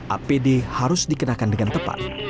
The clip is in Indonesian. apd harus dikenakan dengan tepat